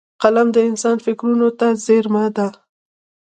قلم د انسان فکرونو ته څېرمه دی